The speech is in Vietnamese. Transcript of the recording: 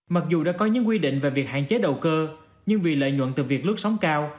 mặc dù đã có những quy định về việc hạn chế đầu cơ nhưng vì lợi nhuận từ việc lướt sóng cao